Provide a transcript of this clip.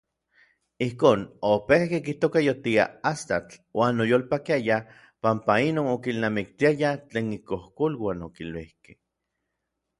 Ijkon, opejki kitokayotia Astatl uan oyolpakiaya panpa inon okilnamiktiaya tlen ikojkoluan okiluikej.